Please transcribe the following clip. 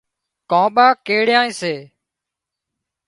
ڪانپاڪڙيئا سي